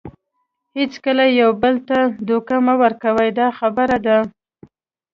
هیڅکله یو بل ته دوکه مه ورکوئ دا خبره ده.